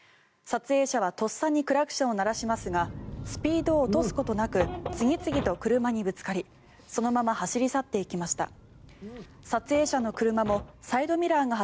撮影者はとっさにクラクションを鳴らしますがスピードを落とすことなく次々と車にぶつかりそのまま走り去っていきました。